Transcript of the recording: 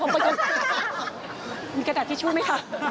กระดาษทิชชู่ไหมคะ